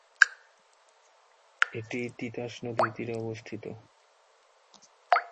এটি তিতাস নদীর তীরে অবস্থিত।